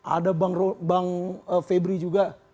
ada bang febri juga